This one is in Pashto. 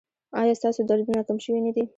ایا ستاسو دردونه کم شوي نه دي؟